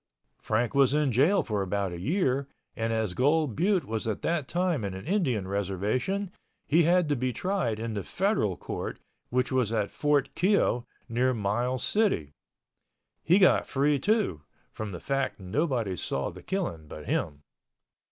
Frank was in jail for about a year and as Gold Butte was at that time an Indian reservation, he had to be tried in the Federal Court which was at Fort Keogh near Miles City. He got free, too, from the fact nobody saw the killing but him.